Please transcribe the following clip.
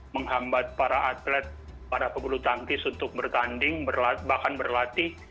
menghambat para atlet para pebulu tangkis untuk bertanding bahkan berlatih